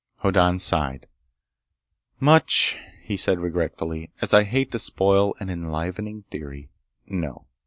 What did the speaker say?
Hoddan sighed. "Much," he said regretfully, "as I hate to spoil an enlivening theory—no.